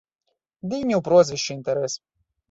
Ды і не ў прозвішчы інтарэс!